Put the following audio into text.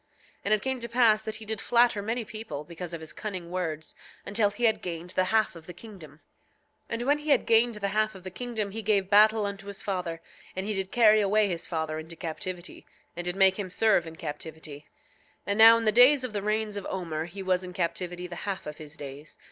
And it came to pass that he did flatter many people, because of his cunning words, until he had gained the half of the kingdom. 8:3 And when he had gained the half of the kingdom he gave battle unto his father, and he did carry away his father into captivity, and did make him serve in captivity; 8:4 And now, in the days of the reigns of Omer he was in captivity the half of his days.